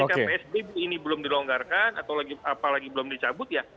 ketika psbb ini belum dilonggarkan apalagi belum dicabut ya